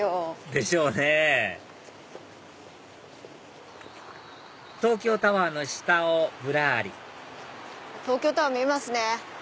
でしょうね東京タワーの下をぶらり東京タワー見えますね。